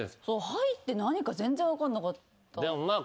ハイって何か全然分かんなかった。